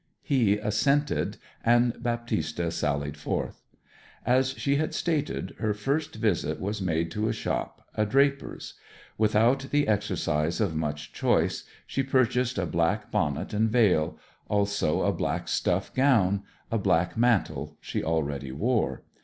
He assented; and Baptista sallied forth. As she had stated, her first visit was made to a shop, a draper's. Without the exercise of much choice she purchased a black bonnet and veil, also a black stuff gown; a black mantle she already wore.